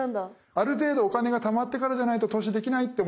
ある程度お金がたまってからじゃないと投資できないって思ってる人